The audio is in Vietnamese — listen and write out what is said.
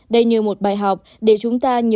đây như một bài học để chúng ta nhớ